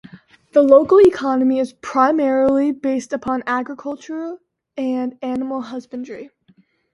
The local economy is primarily based upon agriculture and animal husbandry.